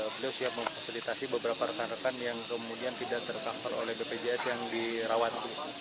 beliau siap memfasilitasi beberapa rekan rekan yang kemudian tidak tercover oleh bpjs yang dirawat